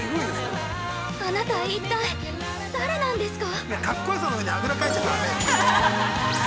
あなた一体誰なんですか！？